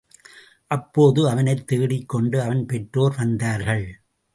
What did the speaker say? அப்போது அவனைத் தேடிக் கொண்டு அவன் பெற்றோர் வந்தார்கள்.